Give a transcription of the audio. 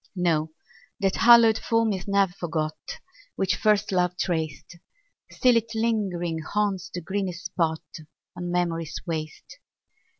No, that hallowed form is ne'er forgot Which first love traced; Still it lingering haunts the greenest spot On memory's waste.